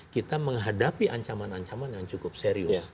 kita menghadapi ancaman ancaman yang cukup serius